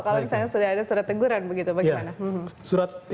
kalau misalnya sudah ada surat teguran begitu bagaimana